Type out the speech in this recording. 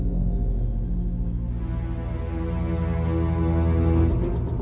terima kasih dan sampai jumpa di ruangan selanjutnya